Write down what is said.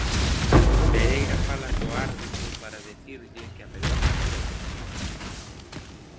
Pereira fala co árbitro para dicirlle que a pelota entrou.